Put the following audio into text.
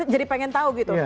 jadi pengen tahu gitu